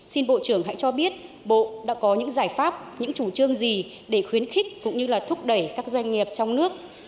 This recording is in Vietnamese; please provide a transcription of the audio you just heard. xin bộ trưởng hãy cho biết bộ đã có những giải pháp những chủ trương gì để khuyến khích cũng như là thúc đẩy các doanh nghiệp trong nước